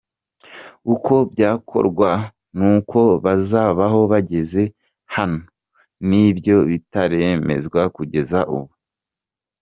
Uko byakorwa n’uko bazabaho bageze hano nibyo bitaremezwa kugeza ubu.”